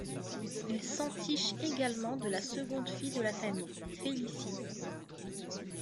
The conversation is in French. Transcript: Il s'entiche également de la seconde fille de la famille, Félicie.